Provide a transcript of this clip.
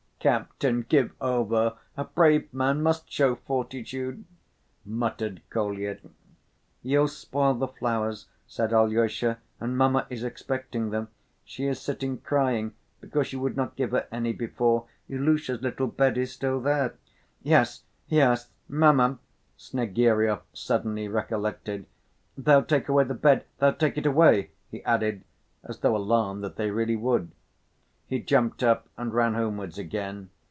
"Captain, give over, a brave man must show fortitude," muttered Kolya. "You'll spoil the flowers," said Alyosha, "and mamma is expecting them, she is sitting crying because you would not give her any before. Ilusha's little bed is still there—" "Yes, yes, mamma!" Snegiryov suddenly recollected, "they'll take away the bed, they'll take it away," he added as though alarmed that they really would. He jumped up and ran homewards again.